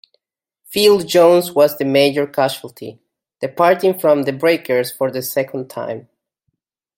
Phill Jones was the major casualty, departing from the Breakers for the second time.